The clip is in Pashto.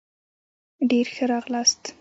ډېر ښه راغلاست